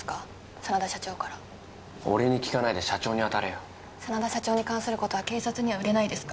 真田社長から俺に聞かないで社長に当たれよ真田社長に関することは警察には売れないですか？